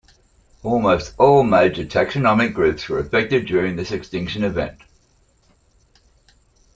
Almost all major taxonomic groups were affected during this extinction event.